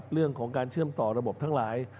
เรื่องของการเชื่อมต่อระบบทั้งหลาย